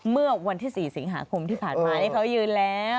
เมื่อวันที่๔สิงหาคมที่ผ่านมานี่เขายืนแล้ว